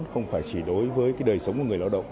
không phải chỉ đối với cái đời sống của người lao động